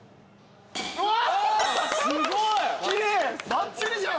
ばっちりじゃん。